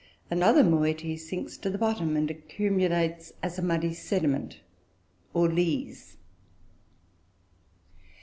Another moiety sinks to the bottom, and accumulates as a muddy sediment, or "lees."